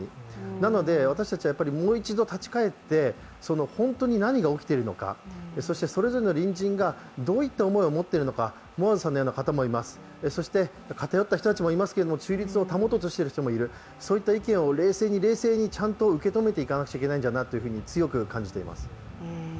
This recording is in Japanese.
なので、私たちはもう一度立ち返って、本当に何が起きているのかそしてそれぞれの隣人がどういった思いを持っているのか、偏った人たちもいますが、中立を保とうとしている人もいます、そういった意見を冷静にちゃんと受け止めていかないといけないんだなと強く感じます。